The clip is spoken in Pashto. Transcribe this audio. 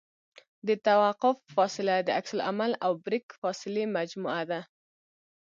د توقف فاصله د عکس العمل او بریک فاصلې مجموعه ده